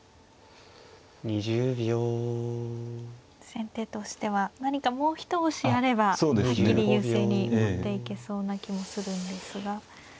先手としては何かもう一押しあればはっきり優勢に持っていけそうな気もするんですが。